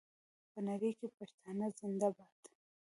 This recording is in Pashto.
په نړۍ کې پښتانه زنده باد.